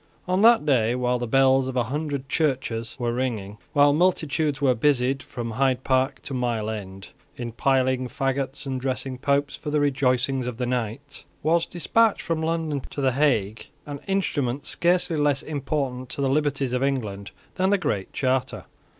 On that day, while the bells of a hundred churches were ringing, while multitudes were busied, from Hyde Park to Mile End, in piling faggots and dressing Popes for the rejoicings of the night, was despatched from London to the Hague an instrument scarcely less important to the liberties of England than the Great Charter.